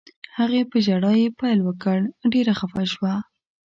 هغې په ژړا یې پیل وکړ، ډېره خفه شوه.